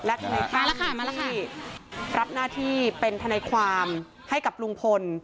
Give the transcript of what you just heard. และคุณที่รับหน้าที่เป็นทความให้กับลุงพล